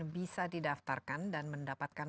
bisa didaftarkan dan mendapatkan